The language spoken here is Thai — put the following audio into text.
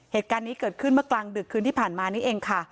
เหตุการณ์นี้เกิดขึ้นเมื่อกลางดึกคืนที่ผ่านมานี่เองค่ะ